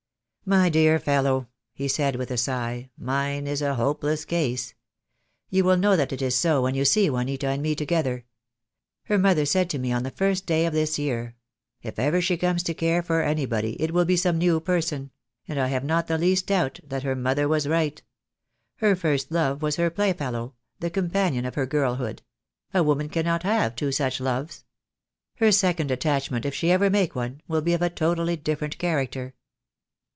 "My dear fellow," he said with a sigh, "mine is a hopeless case. You will know that it is so when you see Juanita and me together. Her mother said to me on the first day of this year, 'If ever she comes to care for any body it will be some new person;' and I have not the least doubt that her mother was right. Her first love was her playfellow, the companion of her girlhood. A woman cannot have two such loves. Her second attach ment, if she ever make one, will be of a totally different character."